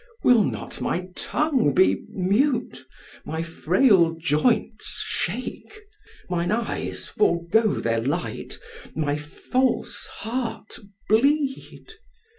Will not my tongue be mute, my frail joints shake, Mine eyes forego their light, my false heart bleed?